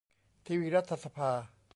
ทีวีรัฐสภา